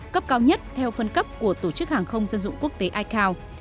cấp cao nhất theo phân cấp của tổ chức hàng không dân dụng quốc tế icao